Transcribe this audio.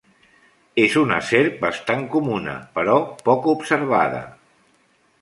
És una serp bastant comuna, però poc observada.